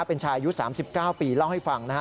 เป็นชายอายุ๓๙ปีเล่าให้ฟังนะฮะ